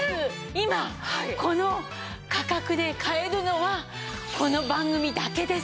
今この価格で買えるのはこの番組だけです。